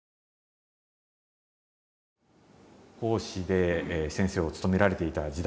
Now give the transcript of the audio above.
講師で先生をつとめられていた時代